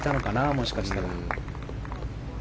もしかしたら。